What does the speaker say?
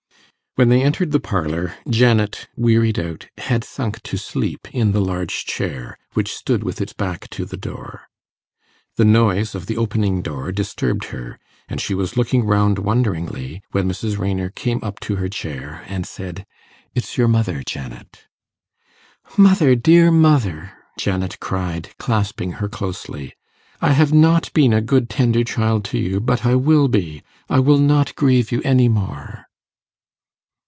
When they entered the parlour, Janet, wearied out, had sunk to sleep in the large chair, which stood with its back to the door. The noise of the opening door disturbed her, and she was looking round wonderingly when Mrs. Raynor came up to her chair, and said, 'It's your mother, Janet.' 'Mother, dear mother!' Janet cried, clasping her closely. 'I have not been a good tender child to you, but I will be I will not grieve you any more.